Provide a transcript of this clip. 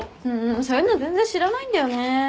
そういうの全然知らないんだよね。